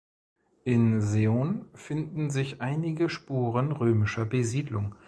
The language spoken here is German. In Seeon finden sich einige Spuren römischer Besiedlung.